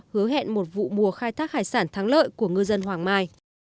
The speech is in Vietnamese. hứa hẹn một vụ mùa khai thác hải sản thắng lợi của ngư dân hoàng mai